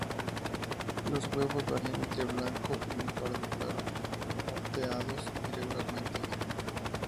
Los huevos varían entre el blanco y un pardo claro, moteados irregularmente.